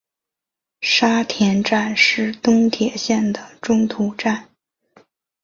沙田站是东铁线的中途站。